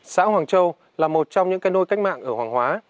xã hoàng châu là một trong những cây nôi cách mạng ở hoàng hóa